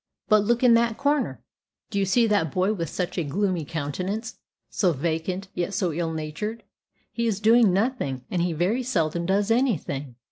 But look in that corner. Do you see that boy with such a gloomy countenance so vacant, yet so ill natured? He is doing nothing, and he very seldom does any thing.